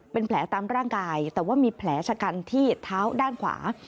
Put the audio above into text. เป็นแผลตามร่างกายแต่ว่ามีแผลชะกันที่เท้าด้านขวา